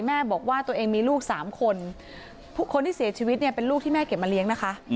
แม่บอกว่าตัวเองมีลูกสามคนคนที่เสียชีวิตเนี่ยเป็นลูกที่แม่เก็บมาเลี้ยงนะคะ